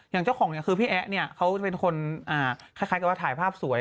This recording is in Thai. อย่างเจ้าของเนี่ยคือพี่แอ๊ะเนี่ยเขาเป็นคนคล้ายกับว่าถ่ายภาพสวย